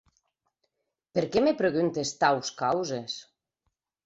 Per qué me preguntes taus causes?